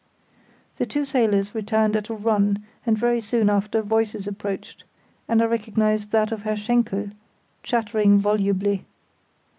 The two sailors returned at a run, and very soon after voices approached, and I recognised that of Herr Schenkel chattering volubly.